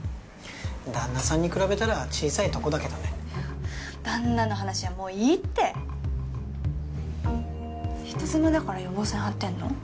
旦那さんに比べたら小さいとこだけどね旦那の話はもういいって人妻だから予防線張ってんの？